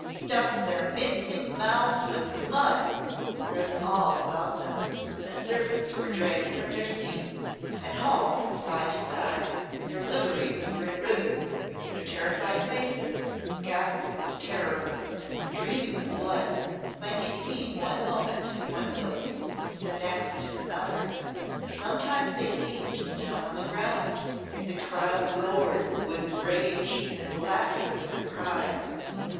Stuff their mincing mouths with mud!" rose all about them. The servants were dragged from their seats and hauled from side to side, their liveries were in ribbands, their terrified faces, ghastly with terror and streaming with blood, might be seen one moment in one place, the next in another, sometimes they seemed down on the ground. The crowd roared with rage and laughter at their cries.